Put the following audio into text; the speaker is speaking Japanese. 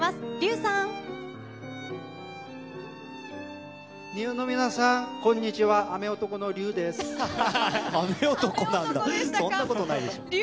そんなことないでしょ。